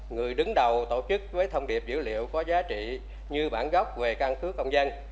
người đứng đầu tổ chức với thông điệp dữ liệu có giá trị như bản gốc về căn cứ công dân